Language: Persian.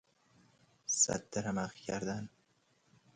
سد رمق کردن